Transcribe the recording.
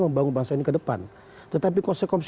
membangun bangsa ini ke depan tetapi konsekuensi